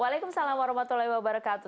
waalaikumsalam warahmatullahi wabarakatuh